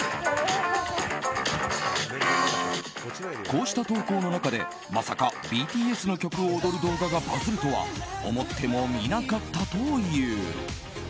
こうした投稿の中でまさかＢＴＳの曲を踊る動画がバズるとは思ってもみなかったという。